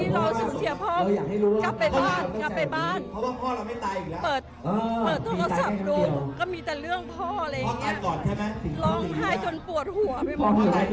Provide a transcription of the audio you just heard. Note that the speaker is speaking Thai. แล้วก็ทำเราก็ทำเราก็แข่งเรากล้วนว่า